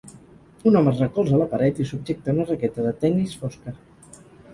Un home es recolza a la paret i subjecta una raqueta de tennis fosca.